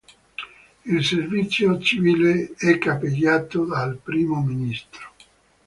Il servizio civile è capeggiato dal Primo Ministro.